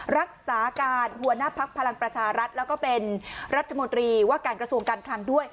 รักษาการหัวหน้าพักพลังประชารัฐแล้วก็เป็นรัฐมนตรีว่าการกระทรวงการคลังด้วย